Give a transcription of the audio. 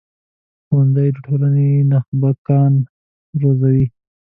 ښوونځی د ټولنې نخبه ګان روزي